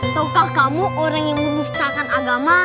taukah kamu orang yang memuftahkan agama